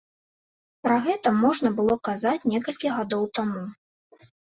Пра гэта можна было казаць некалькі гадоў таму.